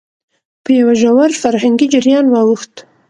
په يوه ژور فرهنګي جريان واوښت،